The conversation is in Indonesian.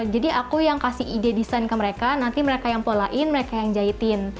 jadi aku yang kasih ide design ke mereka nanti mereka yang polain mereka yang jahit